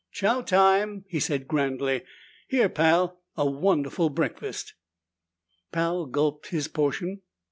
"Chow time!" he said grandly. "Here, Pal, a wonderful breakfast!" Pal gulped his portion.